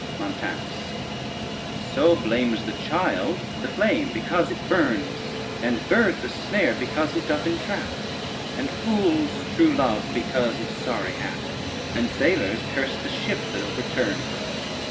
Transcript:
] MONTANUS So blames the child the flame because it burns, And bird the snare because it doth entrap, And fools true love because of sorry hap, And sailors curse the ship that overturns.